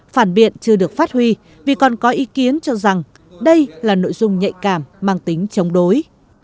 phản biện chưa được phát huy vì còn có ý kiến cho rằng đây là nội dung nhạy cảm mang tính chống đối